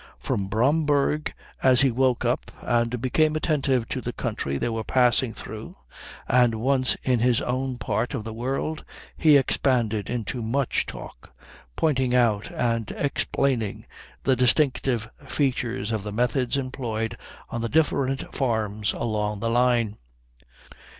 From Bromberg on he woke up and became attentive to the country they were passing through; and once in his own part of the world he expanded into much talk, pointing out and explaining the distinctive features of the methods employed on the different farms along the line.